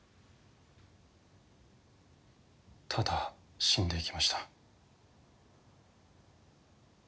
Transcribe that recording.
ただ死んでいきました。